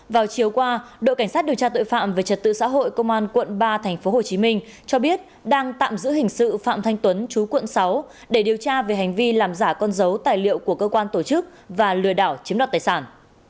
vào chiều qua đội cảnh sát điều tra tội phạm về trật tự xã hội công an quận ba tp hcm cho biết đang tạm giữ hình sự phạm thanh tuấn chú quận sáu để điều tra về hành vi làm giả con dấu tài liệu của cơ quan tổ chức và lừa đảo chiếm đoạt tài sản